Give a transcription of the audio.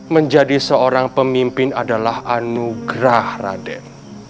menjadi seorang pemimpin adalah anugerah raden